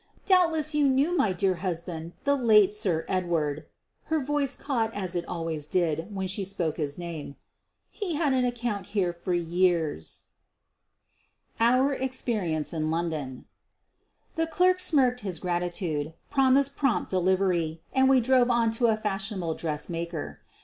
Doubtless you knew my dear husband, the late Sir Edward' '— her voice caught as it always did when she spoke his name —■ "he had an account here for years.' ' <$UEEN OF THE BURGLARS 113 OUR EXPERIENCE IN LONDON The clerk smirked his gratitude, promised prompt delivery, and we drove on to a fashionable dress maker's.